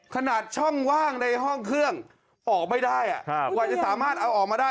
ขนาดช่องว่างในห้องเครื่องออกไม่ได้กว่าจะสามารถเอาออกมาได้